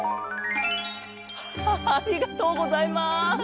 ハハありがとうございます。